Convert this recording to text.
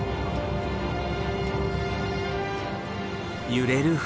揺れる船。